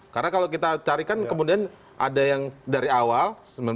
karena kalau kita carikan kemudian ada yang dari awal seribu sembilan ratus enam puluh tujuh